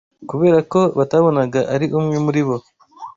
kubera ko batabonaga ari umwe muri bo